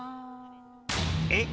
えっ？